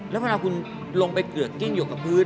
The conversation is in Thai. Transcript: แล้วเมื่อคุณลงไปเกือกเกลี้ยงอยู่กับพื้น